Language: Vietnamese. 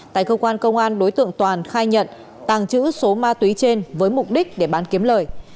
tại cơ quan công an đối tượng toàn khai nhận tàng trữ số ma túy trên với mục đích để bán kiếm lời